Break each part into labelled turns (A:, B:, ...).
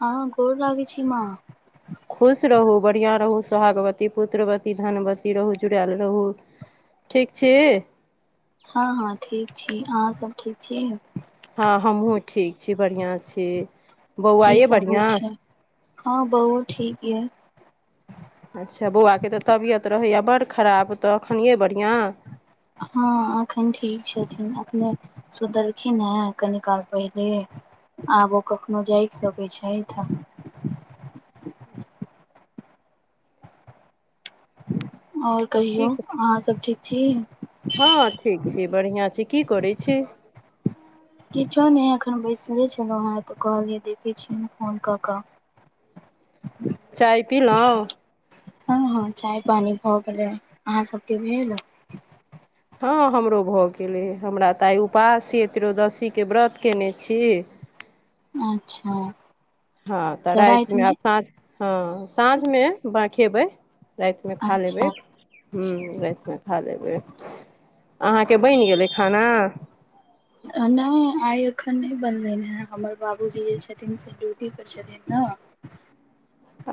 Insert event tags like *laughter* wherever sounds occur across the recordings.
A: हँ गोर लागै छी मांँ।
B: *inaudible* खुश रहू बढ़िआँ रहू सोहागवती पुत्रवती धनवती रहू जुड़ाएल रहू। ठीक छी।
A: हँ हँ ठीक छी, अहाँ सब ठीक छी।
B: हँ हमहुूँ ठीक छी, बढ़िआं छी, बौआ
A: की
B: यै
A: सब होइ
B: बढ़िआं।
A: छै हँ बहु ठीक हिये।
B: अच्छा बौआके तऽ तबियत रहैए बड़ खराब तऽ एखनिियए बढ़िआँ।
A: हँ एखन ठीक छथिन, एखने सुदरखी ने है कनि काल पहिल आबो कखनो जाकि सकैत छै तऽ। आओर
B: की
A: कहियौ अहाँ सब ठीक छी।
B: हँ ठीक छी, बढ़िआँ छी, की करैत छी।
A: किछो नहि एखन बैसले छलहुँ हेँ तऽ कहलियै देखैत छीिय, हम फोन कऽ कऽ।
B: चाय पी ल।
A: हँ हँ चाय पानी भऽ गेलै अहाँ सभके भेल।
B: हँ हमरो भऽ गेलै हमरा तऽ आइ उपास य त्रोदशीके व्रत कयने छियै।
A: अच्छा
B: हँ तऽ रातिमे आब साँझ हँ साँझमे खेबै। रातिमे खा लेबै।
A: अच्छा
B: ह रातिमे खा लबै। अहाँके बनि गेलै खाना?
A: नहि आइ एखन नहि बनले हे हमर बाबूजी जे छथिन से ड्यूटी पर छथिन। ह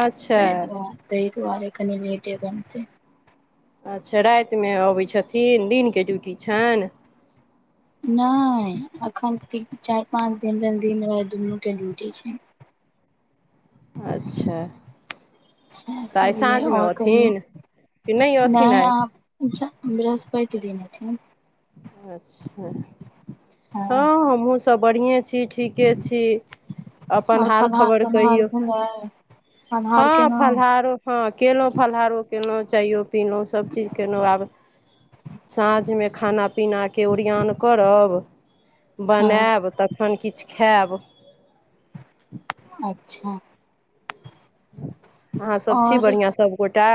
B: अच्छा
A: ददआारे ददआारे क नि लेटे बनते।
B: अच्छा रातिमे अबैत छथिन दिनके ड्यूटी छनि।
A: नहि अखन तऽ ती चार पाँच दिन दिन राति दुनू के ड्यूटी छै।
B: अच्छा
A: सह
B: तऽ आइ
A: सबए
B: साँझमे
A: आओर कहिौ
B: अथिन कि अथिन
A: नहि
B: आइ
A: आप अच्छा बिरासपाइत दिन हथिन।
B: अच्छा हँ हमहुँ सब बढ़िए छी। ठीके छी। अपन
A: आओर
B: हाल
A: फलाहार
B: खबर
A: तलहार
B: कहियौ
A: भेलै फलाहार
B: हँ
A: केलहुँ
B: फलहारो। हँ केलहुँ फलहारो केलहुँ चाइयो। पिलहुँ सब चीज केलहुँ आब साँझ मे। खाना पीनाके ओरियन करब
A: हँ
B: बनायब तखन किछु खायब।
A: अच्छा
B: अहाँ सब छी
A: और
B: बढ़िआं सभगोटा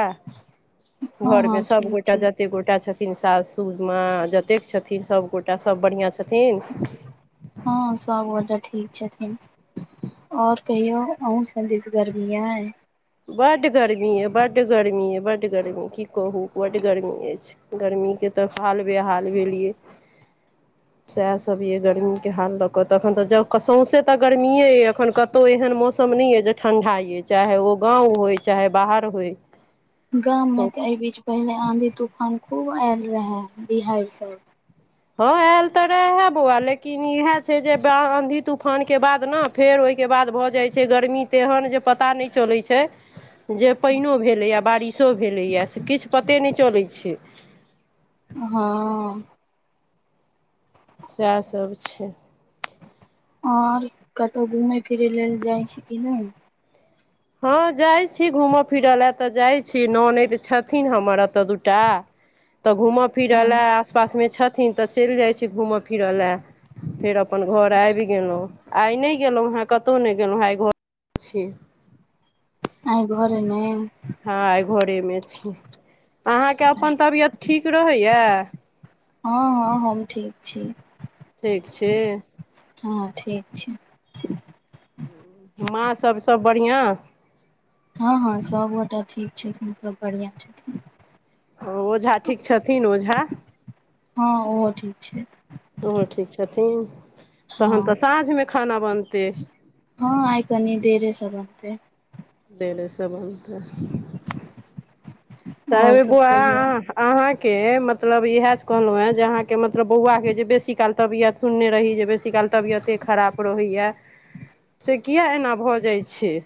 A: हँ
B: घर मे
A: हँ ठीक
B: सबगोटा
A: ठीक
B: ज? कतेक गोटा छथिन साससूस माँ जतेक छथिन सभगोटा सब बढ़िआँ छथिन।
A: हँ सभगोटे ठीक छथिन। और कहियो अ सब दिस गर्मिया हैं।
B: बड गर्मी ये, बड गर्मी ये, बड गर्मी की कहू बड गर्मी अछि। गर्मीके तऽ हाल बे हाल भेलियै। सएहसभ य गर्मीे हाल लऽ कऽ तऽ एखन तऽ ज सौंसे तऽ गर्मीए अ एखन क कतहु एहन मौसम नहि य जे ठंडा ये चाहे ओ गाँंव होय चाहे बाहर होय।
A: गाँव में ते
B: सौँसे
A: एहि बीच पहिले आंधी तूफान खूब आयल रहे बिहहारि सब।
B: हँ आयल तऽ रहे बौआ लेकिन इएह छै जे आँधी तूफानके बाद ने फेर ओहिके बाद भऽ जाइ छै गर्मी तेहन जे पता नहि चलै छै। जे पानिओ भेलैए बारिशो भेलैए से किछु पते नहि चलैत छै।
A: हँ
B: सएह सब छै।
A: आऔर कतहु घूमय फिरय लेल जाइ छी किी न।
B: हँ जाइ छी घूमय फिरऽ लए तऽ जाइ छी नान तऽ छथिन हमर एतऽ दूटा तऽ घूमय फिरय
A: हँ,
B: ल आस पास मे छथिन तऽ चलि जाइ छी घूमिर। फिरऽ लए फेर अपन घर आबि गेलहुँ। आइ नहि गेलहुँ हेँ कतहु नहि गेलहुँ हेँ आइ घर छी।
A: आइ घर एलौं।
B: हँ आय घरेमे छी। अहाँके अपन तबियत ठीक रहैया?
A: हँ हँ हम ठीक छी।
B: ठीक छी।
A: हँ ठीक छी।
B: माँ सब सब बढ़िआँ?
A: हँ- हँ सभगोटा ठीक छथिन खूब बढ़ियाँ छथिन।
B: ओ ओझा ठीक छथिन ओझा।
A: हँ ओहो ठीक छैथ।
B: ओहो ठीक छथिन तहन
A: हँ
B: त साँझमे खाना बनतै।
A: हँ आइ कनी देरे स बनतै।
B: देरे स बनतै। त अय
A: और
B: बेर
A: सब
B: बोआ
A: कहियौ
B: आ अहाँके मतलब इहे से कहलों हे जे अहाँके मतलब बौआ के जे बेसी काल तबियत सुनने रही जे बेसीकाल तबियते खराब रहैया से किया एना भ जाइ छैय।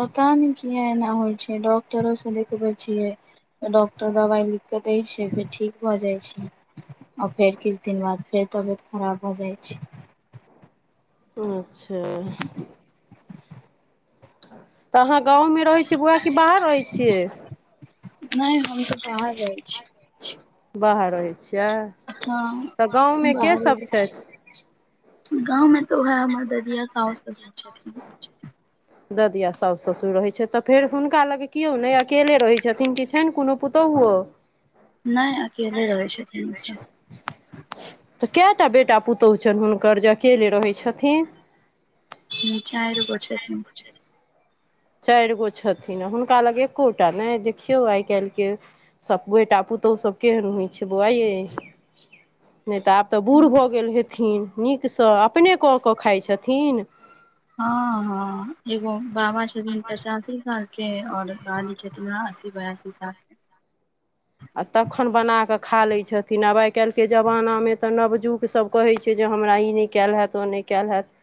A: पता नै किया एना होइ छैय डॉक्टरो से देखबै छियै। डॉक्टर दबाइ लिख कऽ दै छैय फेर ठीक भ जाइ छैय। आ फेर किछ दिन बाद फेर तबियत खराब भ जाइ छैय।
B: अच्छा। त अहाँ गाँवमे रहै छियै बौआ कि बाहर रहै छियै।
A: नहि हम बाहर रहै छियै।
B: बाहर रहै छियै त
A: हँ
B: गाँवमे के
A: बाहरे
B: सब
A: रहै
B: छैथ।
A: गाँवमे त ओहे हमर ददिया साउस ससूर छथिन।
B: *inaudible* ददिया साउस ससुर रहै छैथ त फेर हुनका लग किओ नै अकेले रहै छथिन कि छैन कोनो पुतोहुओ।
A: नय अकेले रहै छथिन।
B: *inaudible*
A: ओसभ
B: त कए टा बेटा पुतोह छैन हुनकर जे अकेले रहै छथिन।
A: चाइर गो छथिन।
B: चाइर गो छथिन आ हुनका लग एकोटा नै देखियौ आइ काइलके सब बेटा पुतौह सब केहन होइ छैय बौआ यै। नै त आब त बूढ़ भ गेल हेथिन नीक स अपने कऽ कऽ खाइ छथिन।
A: हँ- हँ एगो बाबा छथिन पचासी सालके और बाबी छथिन न अस्सी बेरासी सालके।
B: आ तखन बना कऽ खा लै छथिन आब आइ काइलके जमानामे त नवजुग सभ कहै छैय जे हमरा इ नै कैल हैत ओ नहि कैल हैत।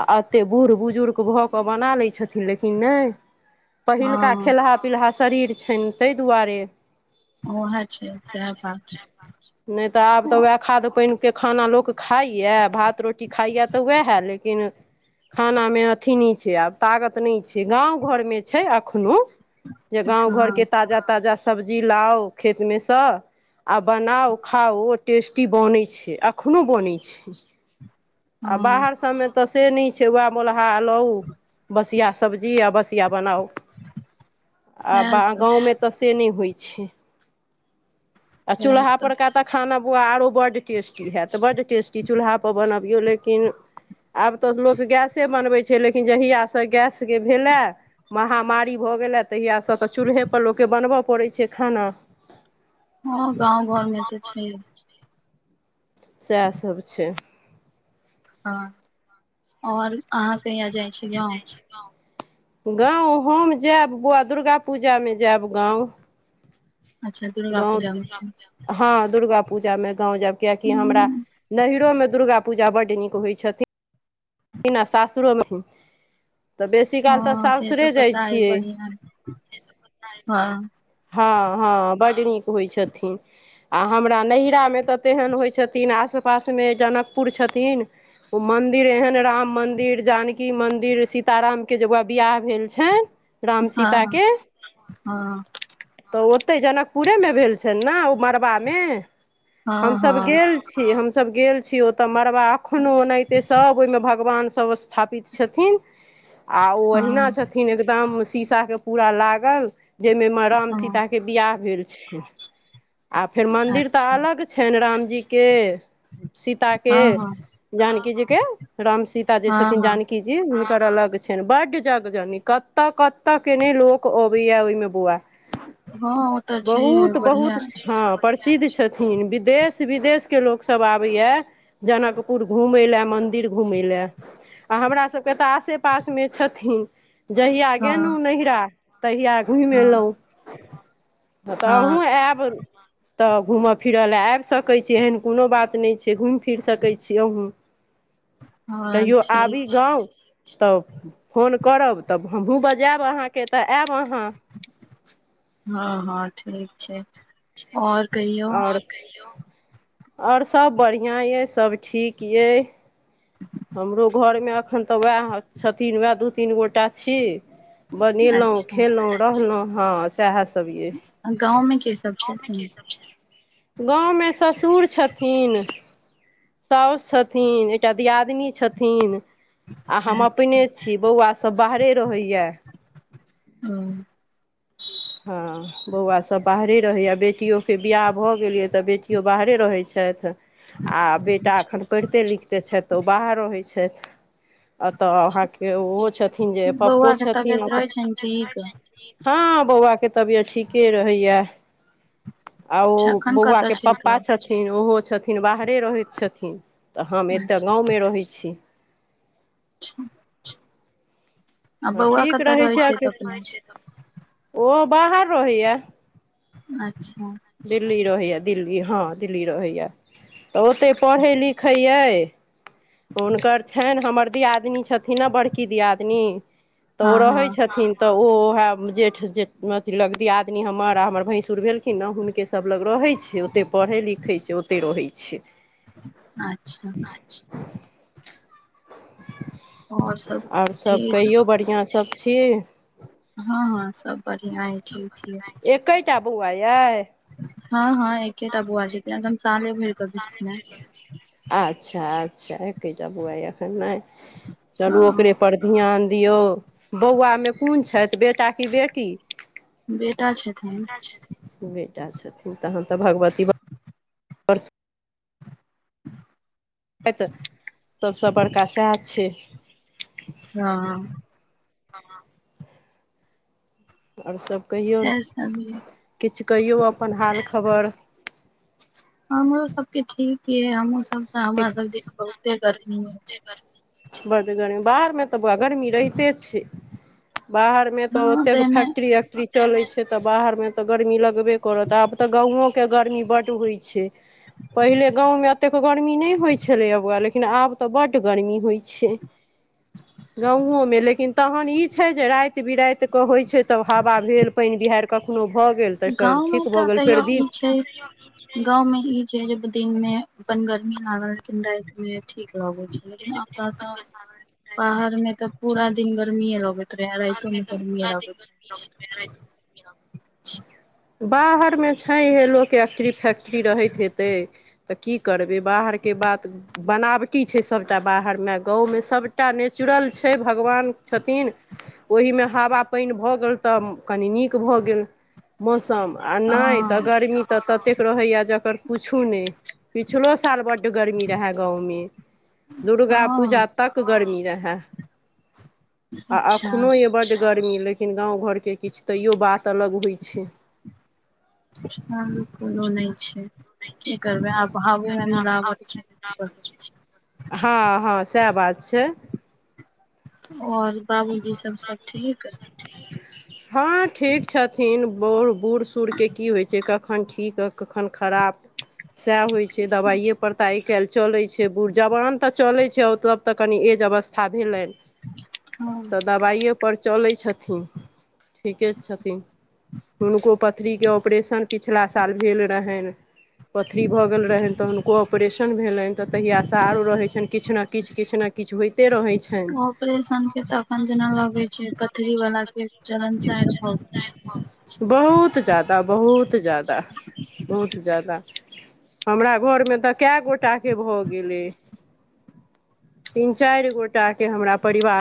B: आ अते बुढ़ बुजुर्ग भ कऽ बना लै छथिन लेकिन नै।
A: हँ
B: पहिलका खेलहा पीलहा शरीर छैन तय दुआरे।
A: ओहे छैय सेह बात छैय।
B: नै त आब त वएह खाद पाइनके खाना लोक खाइये भात रोटी खाइये त वएहे लेकिन *unintelligible* खानामे अथी नै छैय आब तागत नै छैय। गाँव घरमे छैय अखनो जे गाँव घरके ताजा- ताजा सब्जी लाउ खेतमे स आ बनाउ खाउ ओ टेस्टी बनै छैय अखनो बनै छैय।
A: *inaudible*
B: आ बाहर सबमे त से नै छैय वएह मौलहा लौउ बसिया सब्जी आ बसिया बनाउ आ
A: सएह
B: बा
A: सब
B: गाँवमे त से नै होइ छैय आ
A: सएह
B: चू्ल्हा
A: सब
B: पर का त खाना पबुआ आरो बड्ड टेस्टी हैत बड्ड टेस्टी चूल्हापर बनबियौ लेकिन आब त लोक गैसे बनबै छैय लेकिन जहिया स गैसके भेल ए महामारी भऽ गेल ए तहिया सॅं तऽ चूल्हे पर लोकके बनबऽ पड़ै छै खाना।
A: हँ गाँव घर मे त छै।
B: सेएह सब छै।
A: हँ औल अहाँ कहिया जाइ छी गाँव?
B: गाँव हम जाएब बौवा दुर्गा पूजा मे जाएब गाँव।
A: अच्छा दुर्गा
B: गाँव
A: पूजा मे
B: *unintelligible* हँ दुर्गा पूजा में गाँंव जेएब कियाकि हमरा
A: हूँ,
B: नहिरो में दुर्गा पूजा पूजा बड्ड नीक होइ छथिन। न आ सासुरो मे होइ त बेसी काल तऽ
A: हँ से तऽ
B: सासुरे जाइ
A: पता अइ
B: छियै।
A: बढ़िआँ हँ
B: हँ हँ बड्ड नीक होइ छथिन। आ हमरा नहिरा मे तऽ तेहेन होइ छथिन आस - पास मे जनकपुर छथिन उ मंदिर एहन ए राम मंन्दिर जानकी मंदिर सीताराम के जे बौवा बियाह भेल छइन। राम सीता
A: हँ
B: के-ह
A: हँ
B: तऽ ओत्तै जनकपुरे मे भेल छनि नऽ ओ मड़बा मे
A: हँ
B: हमसभ
A: हँ
B: गेल छी हमसब गेल छी ओतऽ मड़बा अखनो ओनहिते सब ओइमे भ भगवान सब स्थापित छथिन आ ओ अहिना
A: हँ
B: छथिन एकदम सीसा क पूरा लागल जै मे राम सीता
A: हँ
B: के बियाह भेल छइन। आ फेर मन्दिर तऽ
A: अच्छा
B: अलग छनि रामजी के, सीता
A: हँ
B: के,
A: हँ
B: जानकी जी के राम सीता जे
A: हँ
B: छथिन
A: हँ
B: जानकी की जी हुनकर अलग छनि बड्ड जग जनी कत्तऽ- कत्तऽ के ने लोक अबैये ओइमे बौआ।
A: हँ ओ तऽ छैहे
B: बहुत बहुत
A: बढ़िआँ छै
B: हँ। प्रसिद्ध छथिन विदेश विदेशके लोकसब आबैये। जनकपुर घुमय लेए मंदिर घुमय लेए आ हमरा सबके त आसे पासमे छथिन। जहिया
A: हँ
B: गेलुं नहिरा तहिया घुइम
A: हँ
B: एलौंह हॅं त
A: हँ
B: अहुॅं आएब तऽ घूमऽ फिरऽ लेए आबि सकै छी एहन कोनो बात नै छै घुम फिर सकै छी अहुँ।
A: हँ
B: कहियो
A: ठीक
B: आबी
A: छै
B: गाँव तऽ फोन करब तब हमहुँ बजेएब अहाँके के तऽ ऐब अहाँ।
A: हँ हँ ठीक छै आओर कहियौ?
B: आओर आओर सब बढ़ियां ये सब ठीक यइ।
A: ह
B: हमरो घरमे अखन तऽ वेएह छथिन वेए दू तीन गोटा छी। बनेलौं
A: अच्छा
B: खेलौं रहलहु हँ सेएहे सब ये।
A: आ गाँंव मे के सब
B: गांव मे के
A: छथिन
B: सब छै? गाँव मे ससुर छथिन। साउस छथिन एकटा दियादिनी छथिन। आ हम
A: अच्छा
B: अपने छी बौवासब बाहरे रहैये।
A: हँ।
B: हँ। बौवासब बाहरे रहैये बेटियो के बियाह भऽ गेल ये तऽ बेटियो बाहरे रहै छैथ। आ बेटा
A: अच्छा
B: अखन पढ़िते लिखते छैथ त ओ बाहर रहै छैथ। अतऽ
A: अच्छा
B: अहांके ओहो छथिन जे पप्पो
A: बौआ के
B: छथिन।
A: तबियत रहै छनि ठीक
B: हँ, बौआ के तबियत ठीके रहैया। आओ
A: अच्छा एखन
B: बौआ
A: कतऽ
B: के
A: छैथ ओ
B: पप्पा छै। छथिन, ओहो छथिन बाहरे रहैत छथिन, तऽ हम एतेक
A: अच्छा
B: गाँमे रहै छी।
A: अच्छा! आ
B: हँ
A: बौआ
B: ठीक
A: कतऽ
B: रहै छै
A: छैथ अपने
B: एखैन, ओ बाहर रहैया।
A: अच्छा!
B: दिल्ली रहैया दिल्ली, हँ, दिल्ली रहैया, तऽ ओत्तै पढ़ै लिखै यैय। हुनकर छैन, हमर दियादनी छथिन न बड़की दियादनी। तऽ ओ
A: हँ
B: रहै
A: हँ
B: छथिन। तऽ ओ ओहे जेठ जे अथी लग दियादनी हमर, आ हमर भैंसुर भेलखिन न, हुन के सभलग रहै छै, ओतै पढ़ै लिखै छै, ओतै रहै छै।
A: आच्छा! और सब
B: आर सब
A: ठीक
B: कहियौ, बढ़िआं सब छी।
A: हँ -हँ सब बढ़ियां, अय ठीक यै।
B: एकैटा बौआ याइ?
A: हँ- हँ एक
B: हँ- हँ एक्केटा बौआ छथिन, दूसरा नै
A: हेँ
B: केलियै अभी। आच्छा! आच्छा! एक्केटा बौआ यऽ, एखन नै चलू
A: हँ
B: ओकरे पर ध्यान दियौ, बौआ में कुन छैथ, बेटा की बेटी?
A: बेटा छथिन।
B: बेटा छथिन, तहन तऽ भगवती ब ड़ सु तै तऽ। सब सऽ बड़का सैह छै।
A: हाँ।
B: हँ। और सब कहियौन,
A: सएह सब यै
B: किछ कहियौ अपन हाल खबर?
A: हमरो सबके ठीक यै, हमहुँ सब तऽ हमरा सब दिस बहुते गर्मी अइछ।
B: बड गर्मी, बाहर में तऽ बौआ गर्मी रहिते छै, बाहर में तऽ
A: हँ
B: ओतेक
A: तइमे
B: फैक्ट्री- एक्ट्री चलै छै, तऽ बाहर में तऽ गर्मी लगबे करत, आब तऽ गाँंवों के गर्मी बड होइ छै, पहिले गाँव में अतेक गर्मी नै होइ छलैया बौआ, लेकिन लेकिन आब तऽ बड गर्मी होइ छै। गांंवों में लेकिन, तहन ई छै जे, राइत -बिराइत कऽ होय छै, तऽहावा भेल, पइन बिहैर कखनो भऽ गेल तऽ,
A: गाँव मे
B: ठीक भऽ
A: तऽ
B: गेल, फेर
A: तैयो ई
B: दिन
A: छै गाँव में ई छै। तेज्ब दिन में अपन गर्मी लागल, लेकिन राइत में ठीक लगै छै, लेकिन अतऽ तऽ, बाहर में तऽ पूरा दिन गर्मीये लगै
B: बाहर में तऽ पूरा दिन गर्मी लगैत रहै छै, राइतो कऽ ओहिना छै। बाहर में छैहे, लोक के एक्ट्री- फैक्ट्री रहैत हेतै। तऽ की करबै, बाहरके बात। बनावटी छै सबटा बाहर में, गाँव में सबटा नेचुरल छै, भगवान छथिन। ओहि में ह हावा पइन भऽ गेल तऽ, कनी नीक भऽ गेल मौसम, आ नै तऽ
A: हँ
B: गर्मी तऽ ततेक रहैया, जेकर पुछु नै। पिछलो साल बड गर्मी रहै गाँंव में, दुर्गा
A: हँ
B: पूजा तक गर्मी रहै। आ
A: अच्छा
B: अखनो यए बड गर्मी लेकिन गांव घरके किछ तैयो बात अलग होइ छै।
A: अच्छा कोनो नै छै। की करबै आब हावे में मिलावट छै तऽ की कऽ सकै छी।
B: हाँ हँ सएह बात छै।
A: और बाबूजी सब सब ठीक।
B: हँ ठीक छथिन, बढ़ बूढ़ सूढ़ के की होइ छै, कखन ठीक कखन खराब सएह होइ छै, दबाइए
A: अच्छा
B: पर। तऽ आइ काइल चलै छै, बुढ़ जवान तऽ चलै छै, ओ तब तऽ कनि एज अवस्था भेलैन।
A: हँ।
B: दबाइए पर चलै छथिन। ठीके छथिन। हुनको पथरीके ऑपरेशन पिछिला साल भेल रहनि। पथरी भऽ गेल रहनि तऽ हुनको ऑपरेशन भेलनि। तऽ तहियासँ आरो रहैत छनि। किछु ने किछु किछु ने किछु होयइते रहैत छ।
A: ऑपरेशन के तखन जेना लगे छै। पथरी वाला के चलन सार भ गेल छै।
B: बहुत ज्यादा बहुत जा्यादा बहुत जा्यादा हमरा घरमे तऽ कए गोटाके भऽ गेलै। तीन चारि गोटा के हमरा परिवार